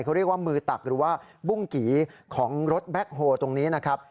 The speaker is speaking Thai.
เขาเรียกว่ามือตักหรือว่าบุ้งกี่ของรถแบ็คโฮลตรงนี้นะครับ